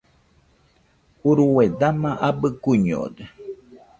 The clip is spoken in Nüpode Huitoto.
Urue dama abɨ kuiñode